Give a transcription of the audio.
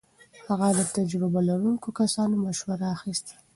هغه د تجربه لرونکو کسانو مشوره اخيسته.